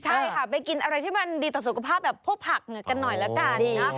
ใช่ค่ะไปกินอะไรที่มันดีต่อสุขภาพแบบพวกผักกันหน่อยละกันนะ